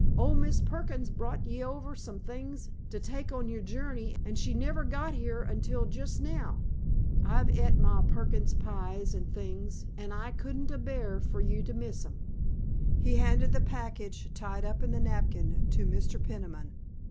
"Ol' Mis' Perkins brought ye over some things t' take on your journey, an' she never got here until jist now. I've et Ma Perkins' pies an' things an' I couldn't abear fer ye to miss 'em." He handed the package tied up in the napkin to Mr. Peniman.